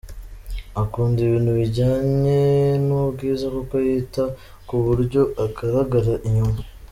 Akunda ibintu bijyanye n’ubwiza kuko yita ku buryo agaragara inyuma .